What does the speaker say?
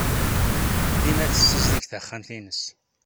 Dima tessizdig taxxamt-nnes.